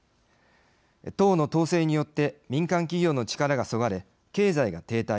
党の統制によって民間企業の力がそがれ経済が停滞。